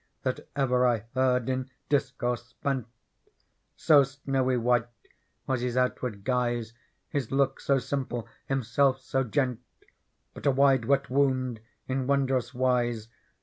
That ever I heard in discourse spent ; So snowy white was His outwardjyjise. His looks so simple. Himself so gent ; But a wide wet wound in wondrous wise.